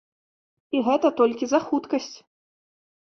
І гэта толькі за хуткасць.